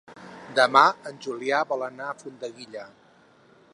Demà en Julià vol anar a Alfondeguilla.